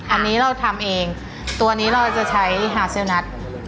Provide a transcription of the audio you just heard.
อันนี้เราทำเองตัวนี้เราจะใช้ฮาเซลนัท